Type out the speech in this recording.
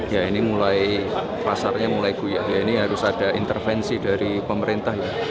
ya ini mulai pasarnya mulai guyah ya ini harus ada intervensi dari pemerintah ya